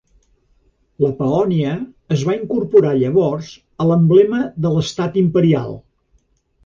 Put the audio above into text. La Pahònia es va incorporar llavors a l'emblema de l'estat imperial.